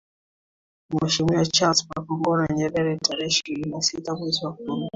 Mheshimiwa Charles Makongoro Nyerere tarehe ishirini na sita mwezi wa kumi